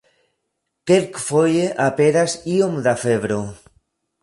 Kelkfoje aperas iom da febro.